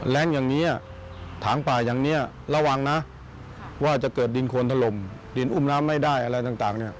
แรงอย่างนี้ถางป่าอย่างนี้ระวังนะว่าจะเกิดดินโคนถล่มดินอุ้มน้ำไม่ได้อะไรต่างเนี่ย